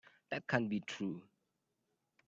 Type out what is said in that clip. That can't be true.